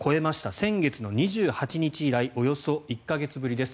先月の２８日以来およそ１か月ぶりです。